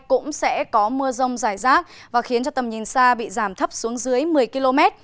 cũng sẽ có mưa rông dài rác và khiến cho tầm nhìn xa bị giảm thấp xuống dưới một mươi km